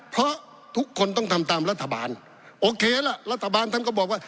เพราะทุกคนต้องทำตามรัฐบาลโอเคล่ะรัฐบาลท่านก็บอกว่า